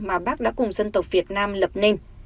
mà bác đã cùng dân tộc việt nam lập nên